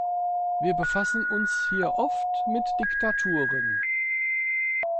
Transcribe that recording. Wir befassen uns hier oft mit Diktaturen.